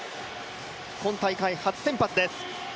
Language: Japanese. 今大会、初先発です。